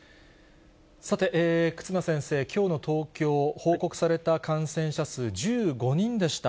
さて、忽那先生、きょうの東京、報告された感染者数１５人でした。